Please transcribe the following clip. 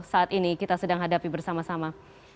saat ini kita sedang hadapi bersama sama